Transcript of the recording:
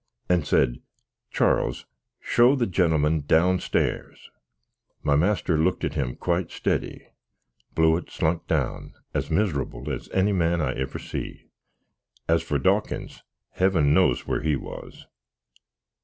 and said, "Charles, show the gentleman down stairs!" My master looked at him quite steddy. Blewitt slunk down, as miserabble as any man I ever see. As for Dawkins, Heaven knows where he was!